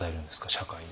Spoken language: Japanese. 社会に。